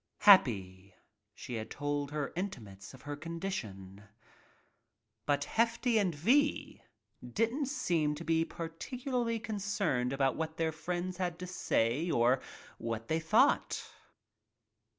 Happy, she had told her intimates of her condition. But Hefty and V didn't seem to be particu larly concerned about what their friends had to say or what they thought.